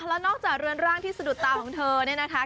แล้วนอกจากเรือนร่างที่สะดุดตาของเธอเนี่ยนะคะ